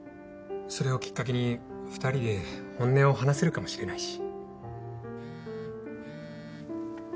それをきっかけに２人で本音を話せるかもしれないし。